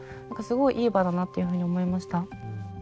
何かすごいいい場だなっていうふうに思いました。